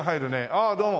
ああどうも。